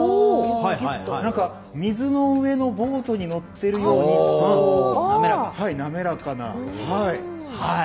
水の上のボートに乗っているように滑らかな。